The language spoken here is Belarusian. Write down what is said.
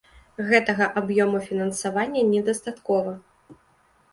Гэтага аб'ёму фінансавання недастаткова.